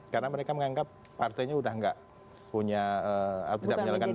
karena mereka menganggap partainya udah nggak punya